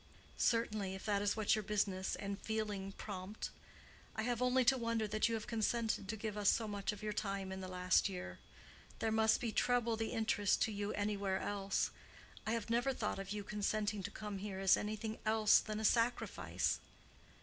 "Certainly; if that is what your business and feeling prompt. I have only to wonder that you have consented to give us so much of your time in the last year. There must be treble the interest to you anywhere else. I have never thought of you consenting to come here as anything else than a sacrifice."